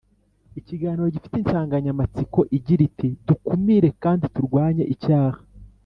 ikiganiro gifite insangamatsiko igira iti Dukumire kandi turwanye icyaha